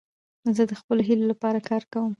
زه د خپلو هیلو له پاره کار کوم.